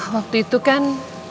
waktu itu kan